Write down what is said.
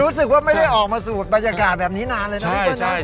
รู้สึกว่าไม่ได้ออกมาสูตรบรรยากาศแบบนี้นานเลยนะพี่เปิ้ลนะ